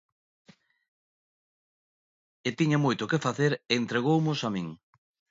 El tiña moito que facer e entregoumos a min.